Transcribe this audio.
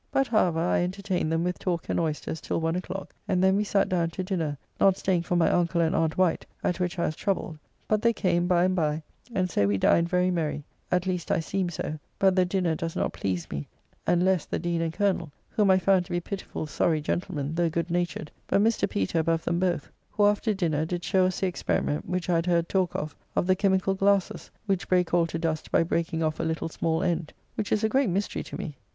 But, however, I entertained them with talk and oysters till one o'clock, and then we sat down to dinner, not staying for my uncle and aunt Wight, at which I was troubled, but they came by and by, and so we dined very merry, at least I seemed so, but the dinner does not please me, and less the Dean and Collonel, whom I found to be pitiful sorry gentlemen, though good natured, but Mr. Peter above them both, who after dinner did show us the experiment (which I had heard talk of) of the chymicall glasses, which break all to dust by breaking off a little small end; which is a great mystery to me.